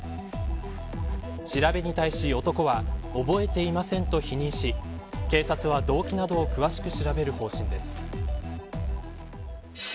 調べに対し男は覚えていませんと否認し警察は動機などを詳しく調べる方針です。